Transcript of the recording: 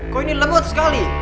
kok ini lembut sekali